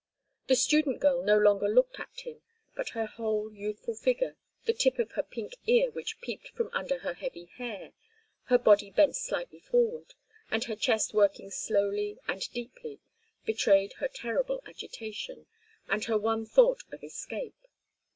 The student girl no longer looked at him, but her whole youthful figure, the tip of her pink ear which peeped from under her heavy hair, her body bent slightly forward, and her chest working slowly and deeply, betrayed her terrible agitation and her one thought of escape.